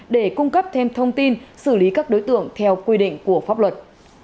để cung cấp thêm thông tin xử lý các đối tượng theo quy định của pháp luật